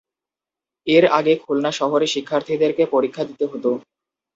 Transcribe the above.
এর আগে খুলনা শহরে শিক্ষার্থীদেরকে পরীক্ষা দিতে হত।